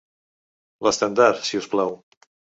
L'estàndard, si us plau!